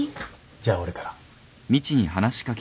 じゃあ俺から。